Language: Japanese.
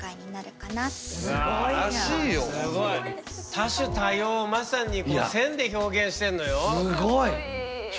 多種多様をまさにこの線で表現してんのよ。